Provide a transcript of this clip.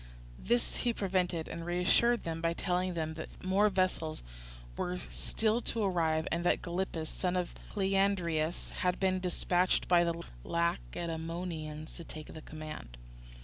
This he prevented, and reassured them by telling them that more vessels were still to arrive, and that Gylippus, son of Cleandridas, had been dispatched by the Lacedaemonians to take the command.